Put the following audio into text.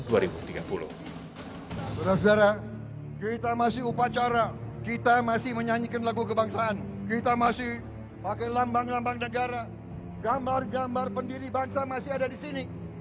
saudara saudara kita masih upacara kita masih menyanyikan lagu kebangsaan kita masih pakai lambang lambang negara gambar gambar pendiri bangsa masih ada di sini